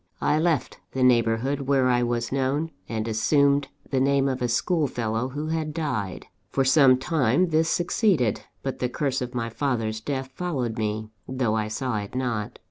I left the neighbourhood where I was known, and assumed the name of a schoolfellow who had died. For some time this succeeded; but the curse of my father's death followed me, though I saw it not.